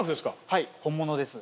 はい本物です。